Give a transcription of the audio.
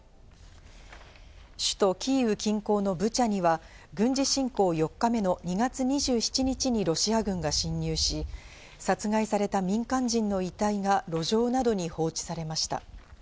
首都キーウ近郊のブチャには軍事侵攻４日目の２月２７日にロシア軍が侵入し、殺害された民間人の遺体が路上などに放置されました。